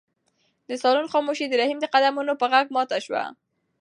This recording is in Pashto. د صالون خاموشي د رحیم د قدمونو په غږ ماته شوه.